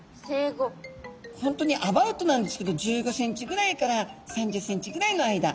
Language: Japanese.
本当にアバウトなんですけど１５センチぐらいから３０センチぐらいの間。